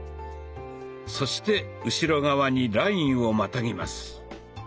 そして後ろ側にラインをまたぎます。